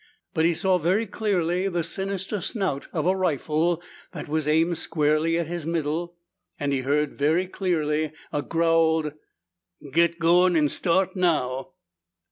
But he saw very clearly the sinister snout of a rifle that was aimed squarely at his middle and he heard very clearly a growled, "Git goin' an' start now!"